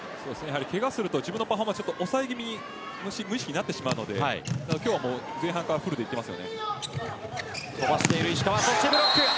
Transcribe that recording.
けがすると自分のパフォーマンス無意識に抑え気味になるので今日は前半からフルにいっています。